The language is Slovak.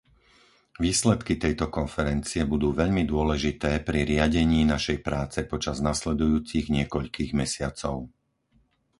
Výsledky tejto konferencie budú veľmi dôležité pri riadení našej práce počas nasledujúcich niekoľkých mesiacov.